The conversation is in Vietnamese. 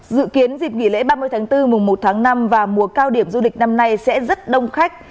dự kiến dịp nghỉ lễ ba mươi tháng bốn mùa một tháng năm và mùa cao điểm du lịch năm nay sẽ rất đông khách